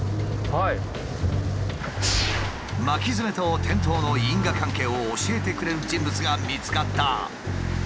巻きヅメと転倒の因果関係を教えてくれる人物が見つかった。